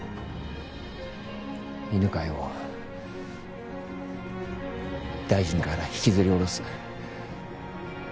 犬飼を大臣から引きずり下ろす。